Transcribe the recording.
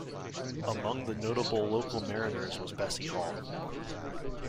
Among the notable local mariners was Bessie Hall.